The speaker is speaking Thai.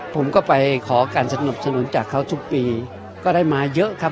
ผมก็ไปขอการสนับสนุนจากเขาทุกปีก็ได้มาเยอะครับ